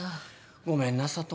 ごめんな佐都。